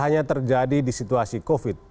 hanya terjadi di situasi covid sembilan belas